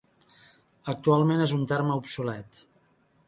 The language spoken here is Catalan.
Actualment és un terme obsolet.